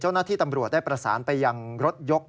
เจ้าหน้าที่ตำรวจได้ประสานไปยังรถยก